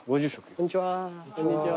こんにちは。